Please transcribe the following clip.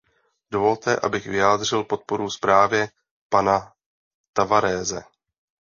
Dovolte, abych vyjádřil podporu zprávě pana Tavarese.